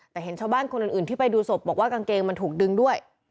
แต่เห็นชาวบ้านคนอื่นที่ไปดูศพบอกว่ากางเกงมันถูกดึงด้วย